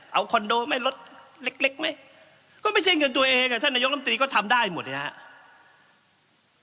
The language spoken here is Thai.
เอาคอนโดไหมรถเล็กไหมก็ไม่ใช่เงินตัวเองท่านนายกรรมตรีก็ทำได้หมดนะครับ